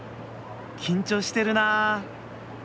緊張してるな。